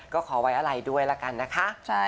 ก็ขอไว้อะไรด้วยละกันนะคะ